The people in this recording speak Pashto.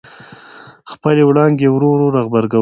خپلې وړانګې یې ورو ورو را غبرګولې.